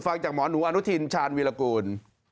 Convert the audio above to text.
ฟังจากหมอหนูอนุทินชาญวีรกูล